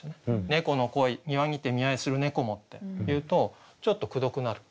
「猫の恋庭にて見合ひする猫も」って言うとちょっとくどくなる。